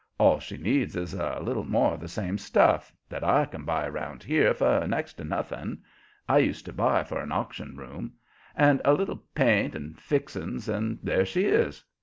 All she needs is a little more of the same stuff, that I can buy 'round here for next to nothing I used to buy for an auction room and a little paint and fixings, and there she is.